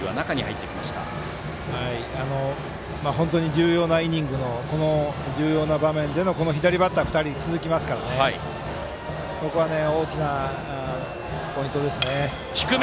重要なイニングの重要な場面で左バッターが２人続くのでここは大きなポイントです。